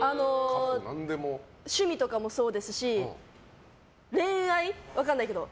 趣味とかもそうですし恋愛、分からないけど。